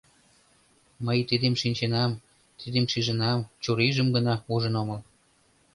Мый тидым шинченам, тидым шижынам, чурийжым гына ужын омыл.